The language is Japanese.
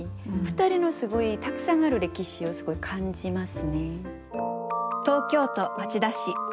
２人のすごいたくさんある歴史をすごい感じますね。